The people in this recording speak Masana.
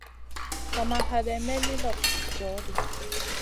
Sa ma haɗeyn may li joh ɗi.